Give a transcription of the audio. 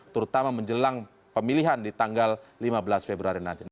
terutama menjelang pemilihan di tanggal lima belas februari nanti